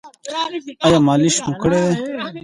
ایا مالش مو کړی دی؟